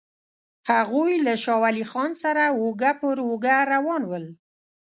هغوی له شاه ولي خان سره اوږه پر اوږه روان ول.